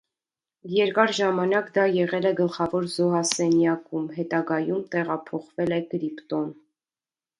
Երկար ժամանակ դա եղել է գլխավոր զոհասենյակում, հետագայում տեղափոխվել է կրիպտոն։